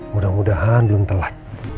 mudah mudahan belum telat